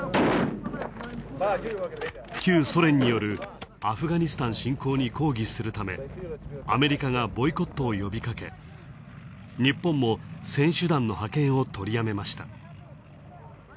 旧ソ連によるアフガニスタン侵攻に抗議するため、アメリカがボイコットを呼びかけ、日本も選手団の派遣を取りやめました。